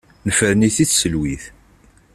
Nefren-it i tselwit.